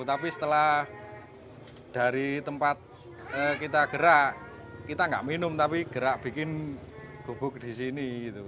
tapi setelah dari tempat kita gerak kita nggak minum tapi gerak bikin gubuk di sini